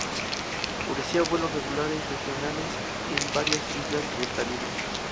Ofrecía vuelos regulares regionales en varias islas del caribe.